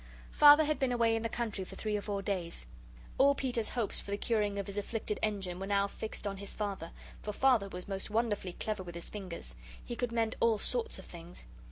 Father had been away in the country for three or four days. All Peter's hopes for the curing of his afflicted Engine were now fixed on his Father, for Father was most wonderfully clever with his fingers. He could mend all sorts of things.